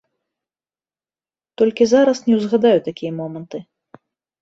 Толькі зараз не ўзгадаю такія моманты.